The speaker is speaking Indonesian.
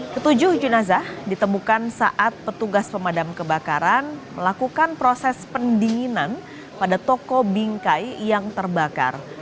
ketujuh jenazah ditemukan saat petugas pemadam kebakaran melakukan proses pendinginan pada toko bingkai yang terbakar